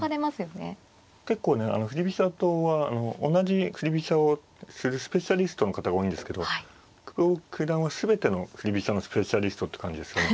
結構ね振り飛車党は同じ振り飛車をするスペシャリストの方が多いんですけど久保九段は全ての振り飛車のスペシャリストって感じですね。